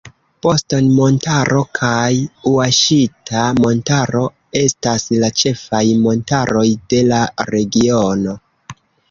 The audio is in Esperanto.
Boston-Montaro kaj Ŭaŝita-Montaro estas la ĉefaj montaroj de la regiono.